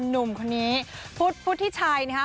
หนุ่มคนนี้พุธพุธที่ชัยนะฮะ